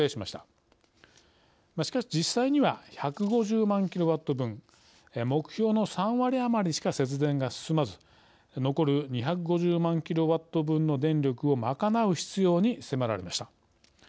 しかし実際には１５０万キロワット分目標の３割余りしか節電が進まず残る２５０万キロワット分の電力を賄う必要に迫られました。